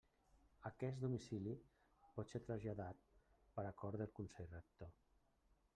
Aquest domicili pot ser traslladat per acord del Consell Rector.